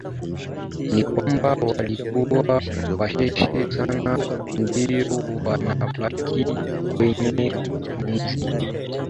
ni kwamba walikuwa wachache Sana ndio wanabaki kwenye muziki wengine wakipotea kutokana na kukosa